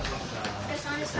お疲れさまでした。